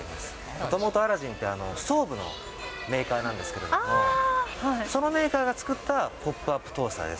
もともとアラジンって、ストーブのメーカーなんですけれども、そのメーカーが作ったポップアップトースターです。